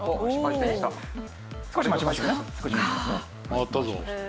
回ったぞ。